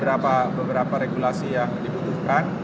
jadi ada beberapa regulasi yang dibutuhkan